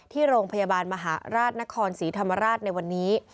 ที่โรงพยาบาลมหาราชนครศรีธรรมราชในวันนี้